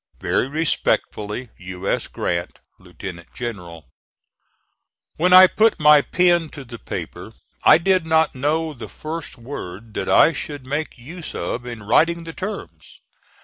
Very respectfully, U. S. GRANT, Lt. Gen. When I put my pen to the paper I did not know the first word that I should make use of in writing the terms.